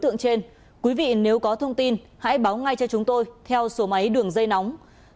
nếu có thông tin hãy báo ngay cho chúng tôi theo số máy đường dây nóng sáu mươi chín hai trăm ba mươi bốn năm nghìn tám trăm sáu mươi